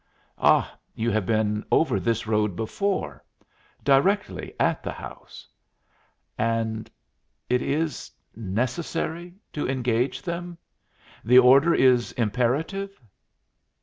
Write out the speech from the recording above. "Ah, you have been over this road before. Directly at the house." "And it is necessary to engage them? The order is imperative?"